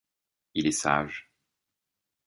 Il est sage.